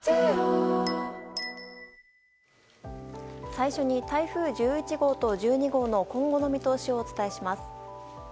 最初に台風１１号と１２号の今後の見通しをお伝えします。